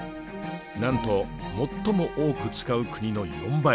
なんと最も多く使う国の４倍。